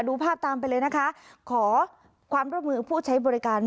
ดูภาพตามไปเลยนะคะขอความร่วมมือผู้ใช้บริการ